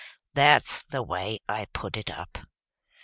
That's the way I put it up."